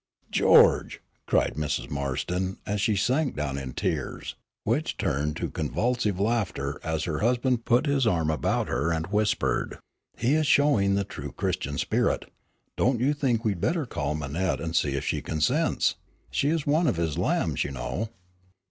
"George!" cried Mrs. Marston, and she sank down in tears, which turned to convulsive laughter as her husband put his arm about her and whispered, "He is showing the true Christian spirit. Don't you think we'd better call Manette and see if she consents? She is one of his lambs, you know."